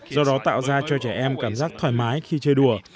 do đó tạo ra cho trẻ em cảm giác thoải mái khi chơi đùa